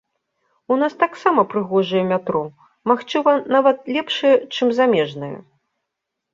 У нас таксама прыгожае метро, магчыма, нават лепшае, чым замежнае.